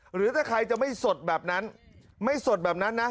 หรือถ้าใครจะไม่สดแบบนั้นไม่สดแบบนั้นนะ